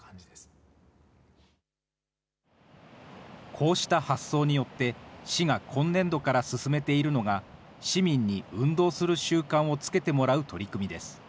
こうした発想によって、市が今年度から進めているのが、市民に運動する習慣をつけてもらう取り組みです。